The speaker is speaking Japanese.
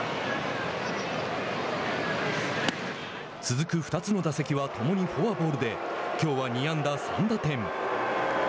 続く２つの打席は共にフォアボールできょうは２安打３打点。